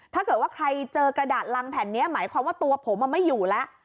ถ้าเกิดว่าใครเจอกระดาษรังแผ่นนี้หมายความว่าตัวผมไม่อยู่แล้ว